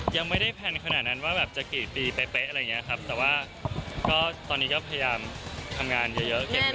ยังไม่ได้แพนขนาดนั้นว่าจะกี่ปีเป๊ะแต่ว่าตอนนี้ก็พยายามทำงานเยอะเห็นเลย